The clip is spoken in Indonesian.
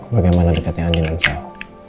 bagaimana dekatnya ani dengan sao